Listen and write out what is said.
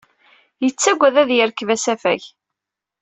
Yettagad ad yerkeb asafag.